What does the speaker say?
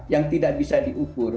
yang tidak bisa diukur